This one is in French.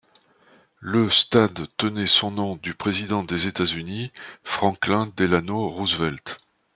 Le stade tenait son nom du président des États-Unis Franklin Delano Roosevelt.